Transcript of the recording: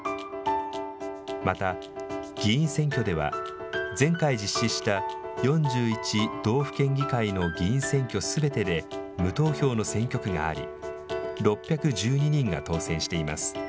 また議員選挙では、前回実施した４１道府県議会の議員選挙すべてで無投票の選挙区があり、６１２人が当選しています。